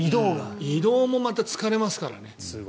移動もまた疲れますからね。